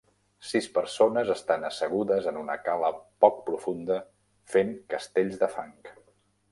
Sis persones estan assegudes en una cala poc profunda fent castells de fang.